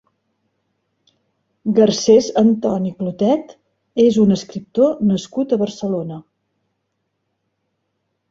Garcés Antoni Clotet és un escriptor nascut a Barcelona.